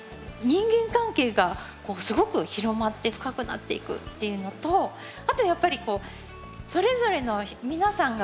人間関係がすごく広まって深くなっていくっていうのとあとやっぱりそれぞれの皆さんが感じるものがすごくこう